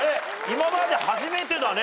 今まで初めてだね。